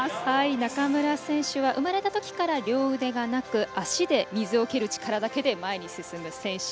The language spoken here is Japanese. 中村選手は生まれたときから両腕がなく足で水をける力だけで前に進む選手。